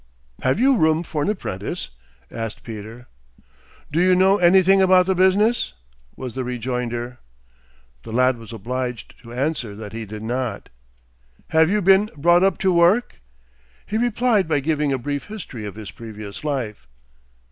"Have you room for an apprentice?" asked Peter. "Do you know anything about the business?" was the rejoinder. The lad was obliged to answer that he did not. "Have you been brought up to work?" He replied by giving a brief history of his previous life.